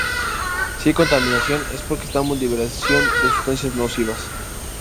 Si hay contaminación, es porque estamos liberación de sustancias nocivas.